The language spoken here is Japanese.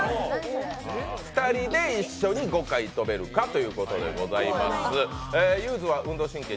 ２人で一緒に５回跳べるかということでございます。